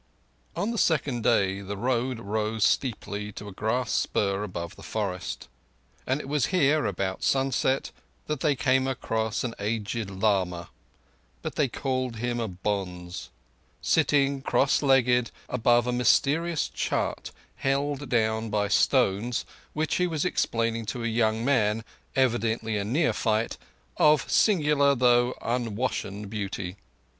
On the second day the road rose steeply to a grass spur above the forest; and it was here, about sunset, that they came across an aged lama—but they called him a bonze—sitting cross legged above a mysterious chart held down by stones, which he was explaining to a young man, evidently a neophyte, of singular, though unwashen, beauty.